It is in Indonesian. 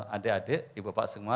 adik adik ibu bapak semua